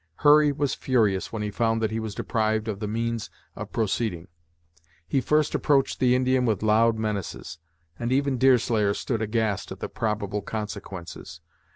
Hurry was furious when he found that he was deprived of the means of proceeding. He first approached the Indian with loud menaces, and even Deerslayer stood aghast at the probable consequences.